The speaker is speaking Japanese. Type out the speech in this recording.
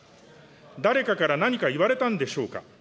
誰かから何か言われたんでしょうか。